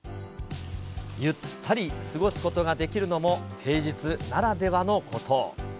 ゆったり過ごすことができるのも、平日ならではのこと。